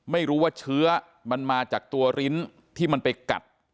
ไม่รู้ว่าเชื้อมันมาจากตัวลิ้นที่มันไปกัด